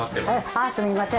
ああすみません。